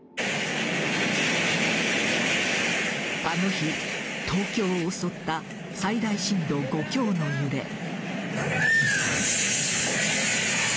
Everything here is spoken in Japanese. あの日、東京を襲った最大震度５強の揺れ。